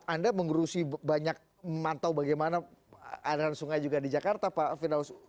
anda mengurusi banyak memantau bagaimana aliran sungai juga di jakarta pak firdaus